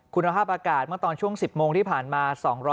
คุณภาพอากาศเมื่อตอนช่วง๑๐โมงที่ผ่านมา